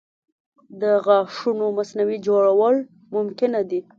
د غاښونو مصنوعي جوړول ممکنه دي.